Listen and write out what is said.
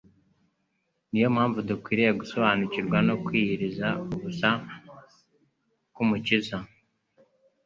ni yo mpamvu dukwiriye gusobanukirwa no kwiyiriza ubusa kw'Umukiza